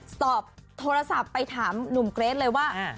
สอบโทรศัพท์ไปถามหนุ่มเกรทเลยว่า